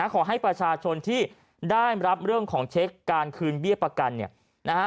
ขอให้ประชาชนที่ได้รับเรื่องของเช็คการคืนเบี้ยประกันเนี่ยนะฮะ